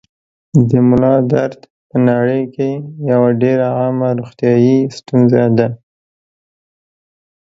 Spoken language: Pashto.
د ملا درد په نړۍ کې یوه ډېره عامه روغتیايي ستونزه ده.